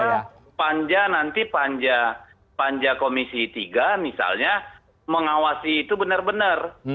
karena panja nanti panja komisi tiga misalnya mengawasi itu benar benar